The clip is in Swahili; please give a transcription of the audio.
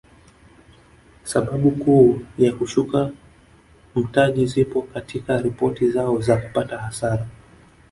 Sababu kuu ya kushuka mtaji zipo katika ripoti zao za kupata hasara